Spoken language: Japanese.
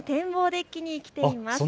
デッキに来ています。